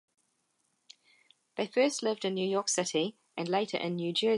They first lived in New York City, and later in New Jersey.